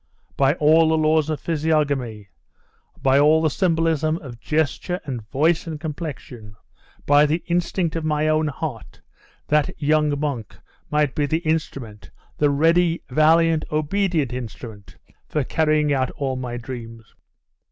By all the laws of physiognomy by all the symbolism of gesture and voice and complexion by the instinct of my own heart, that young monk might be the instrument, the ready, valiant, obedient instrument, for carrying out all my dreams.